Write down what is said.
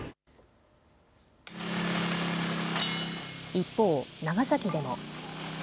一方、長崎でも。